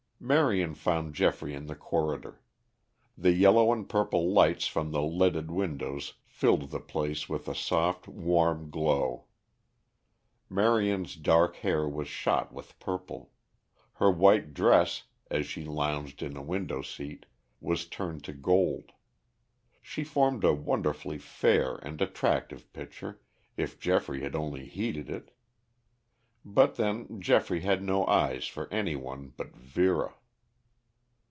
Marion found Geoffrey in the corridor. The yellow and purple lights from the leaded windows filled the place with a soft, warm glow. Marion's dark hair was shot with purple; her white dress, as she lounged in a window seat, was turned to gold. She formed a wonderfully fair and attractive picture, if Geoffrey had only heeded it. But, then, Geoffrey had no eyes for any one but Vera.